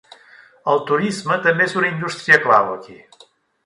El turisme també és una indústria clau aquí.